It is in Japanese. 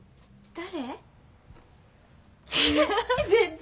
誰？